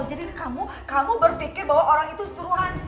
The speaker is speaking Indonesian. jadi kamu berpikir bahwa orang itu suruhan cynthia gitu